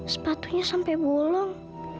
sepatunya sampai bolong